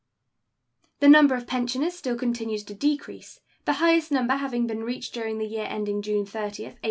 The number of pensioners still continues to decrease, the highest number having been reached during the year ending June 30, 1873.